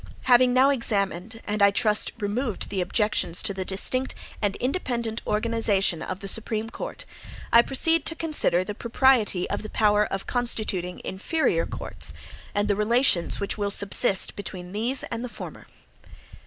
Having now examined, and, I trust, removed the objections to the distinct and independent organization of the Supreme Court, I proceed to consider the propriety of the power of constituting inferior courts,(2) and the relations which will subsist between these and the former.